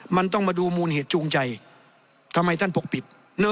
มันต้องมาดูมูลเหตุจูงใจทำไมท่านปกปิด